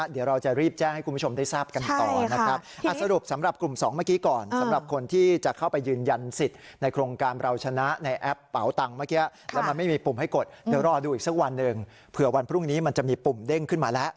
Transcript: เอา๖ขั้นตอนก่อน๑เข้าแอปเป๋าตังค์